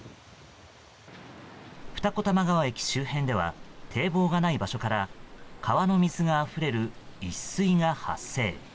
二子玉川駅周辺では堤防がない場所から川の水があふれる溢水が発生。